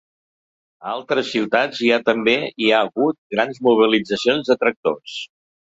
A altres ciutats hi ha també hi ha hagut grans mobilitzacions de tractors.